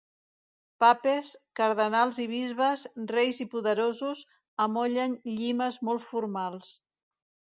Papes, cardenals i bisbes, reis i poderosos, amollen llimes molt formals.